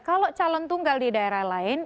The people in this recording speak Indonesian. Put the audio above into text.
kalau calon tunggal di daerah lain